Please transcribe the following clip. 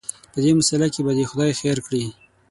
په دې مساله کې به خدای خیر کړي.